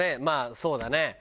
まあそうだね。